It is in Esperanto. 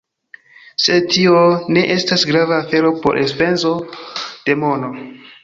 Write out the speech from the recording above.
Sed tio ne estas grava afero por enspezo de mono